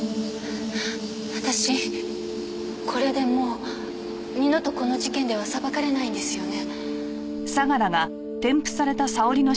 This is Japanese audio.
私これでもう二度とこの事件では裁かれないんですよね？